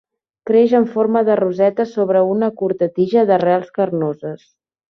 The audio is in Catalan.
Creix en forma de roseta sobre una curta tija d'arrels carnoses.